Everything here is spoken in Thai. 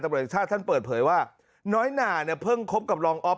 ตำรวจแห่งชาติท่านเปิดเผยว่าน้อยหนาเนี่ยเพิ่งคบกับรองอ๊อฟ